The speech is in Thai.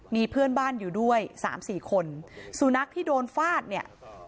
มีเพื่อนบ้านอยู่ด้วยสามสี่คนสุนัขที่โดนฟาดเนี่ย